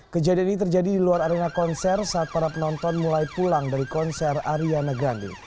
kejadian ini terjadi di luar arena konser saat para penonton mulai pulang dari konser ariana grande